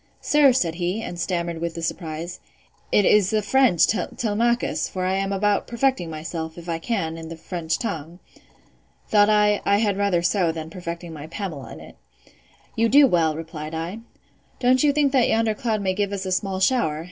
Sir, said he, and stammered with the surprise, it is the French Telemachus; for I am about perfecting myself, if I can, in the French tongue.—Thought I, I had rather so, than perfecting my Pamela in it.—You do well, replied I.—Don't you think that yonder cloud may give us a small shower?